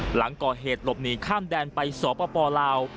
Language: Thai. หลังก่อเหตุหลบหนีข้ามแดนไปสปลาว